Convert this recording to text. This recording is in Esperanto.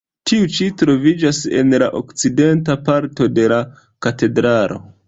Tiu ĉi troviĝas en la okcidenta parto de la katedralo.